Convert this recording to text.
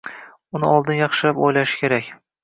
Uni oldin yaxshilab o‘ylashi kerak.